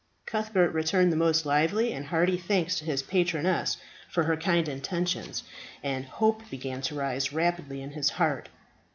Cuthbert returned the most lively and hearty thanks to his patroness for her kind intentions, and hope began to rise rapidly in his heart.